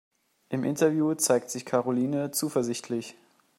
Im Interview zeigt sich Karoline zuversichtlich.